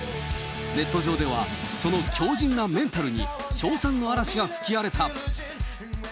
ネット上では、その強じんなメンタルに、称賛の嵐が吹き荒れた。